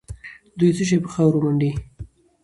دوی څه شي په خاورو منډي؟